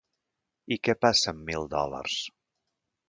I què passa amb mil dòlars?